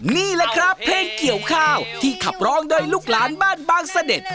นี่แหละครับเพลงเกี่ยวข้าวที่ขับร้องโดยลูกหลานบ้านบางเสด็จ